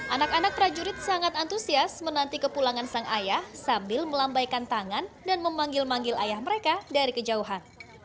anak anak prajurit sangat antusias menanti kepulangan sang ayah sambil melambaikan tangan dan memanggil manggil ayah mereka dari kejauhan